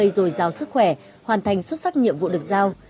rồi giáo sức khỏe hoàn thành xuất sắc nhiệm vụ được giao